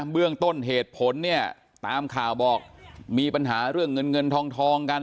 เบื้องต้นเหตุผลเนี่ยตามข่าวบอกมีปัญหาเรื่องเงินเงินทองกัน